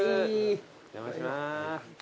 お邪魔します。